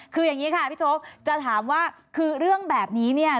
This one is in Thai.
คืออย่างนี้ค่ะพี่โจ๊กจะถามว่าคือเรื่องแบบนี้เนี่ย